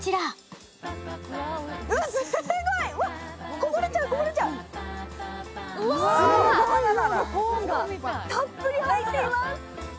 うわぁ、たっぷり入っています。